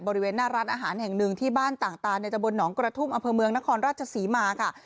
บริเวณหน้าร้านอาหารแห่งหนึ่งที่บ้านต่างตาในตะบนหนองกระทุ่มอำเภอเมืองนครราชศรีมาค่ะ